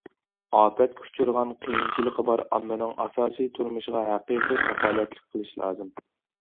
ئاپەتكە ئۇچرىغان قىيىنچىلىقى بار ئاممىنىڭ ئاساسىي تۇرمۇشىغا ھەقىقىي كاپالەتلىك قىلىش لازىم.